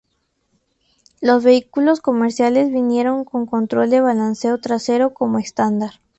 Los vehículos comerciales vinieron con control de balanceo trasero como estándar.